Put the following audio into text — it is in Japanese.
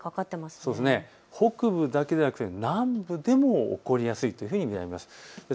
北部だけではなくて南部でも起こりやすいというふうに見られます。